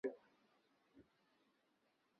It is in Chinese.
格拉马齐耶人口变化图示